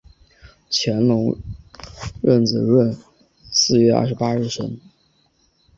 乾隆壬子闰四月二十八日生。